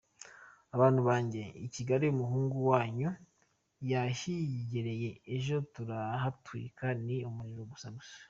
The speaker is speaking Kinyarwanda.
Abantu banjye i Kigali, umuhungu wanyu yahigereye, ejo turahatwika, ni umuriro gusa gusa.”